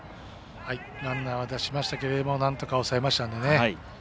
ランナーは出しましたけれどもなんとか抑えましたのでね